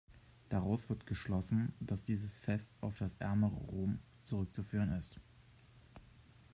Daraus wird geschlossen, dass dieses Fest auf das ärmere Rom zurückzuführen ist.